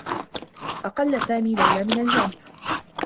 أقلّ سامي ليلى من الجامعة.